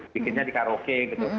bikinnya di karaoke gitu